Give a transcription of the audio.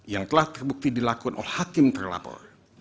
yang telah terbukti dilakukan oleh hakim terlapor